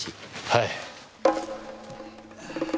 はい。